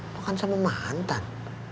makan sama mantan